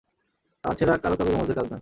তারছেড়া কারো তবে জমজদের কাজ নয়।